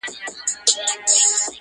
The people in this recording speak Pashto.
خو د عقل څښتن کړی یې انسان دی--!